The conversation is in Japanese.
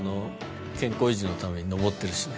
健康維持のために上ってるしね。